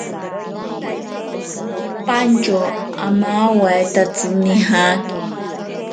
Pantyo amawaitatsi nijaki.